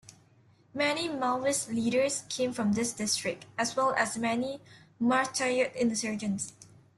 Many Maoist leaders came from this district, as well as many martyred insurgents.